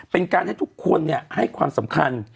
เป็นการให้ทุกคนให้ความสำคัญ